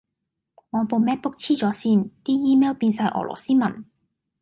我部 MacBook 痴咗線，啲 email 變晒俄羅斯文